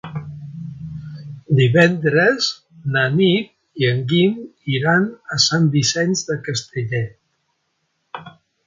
Divendres na Nit i en Guim iran a Sant Vicenç de Castellet.